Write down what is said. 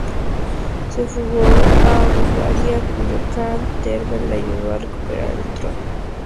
Se fugó a Bulgaria, cuyo kan, Tervel, le ayudó a recuperar el trono.